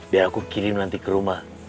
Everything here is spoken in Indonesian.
biar aku kirim nanti ke rumah